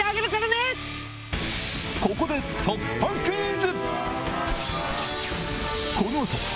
ここで突破クイズ！